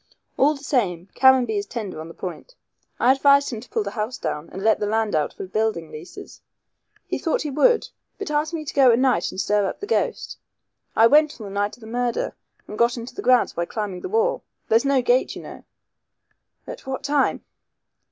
All the same, Caranby is tender on the point. I advised him to pull the house down and let the land out for building leases. He thought he would, but asked me to go at night and stir up the ghost. I went on the night of the murder, and got into the grounds by climbing the wall. There's no gate, you know." "At what time?"